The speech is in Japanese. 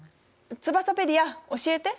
ツバサペディア教えて。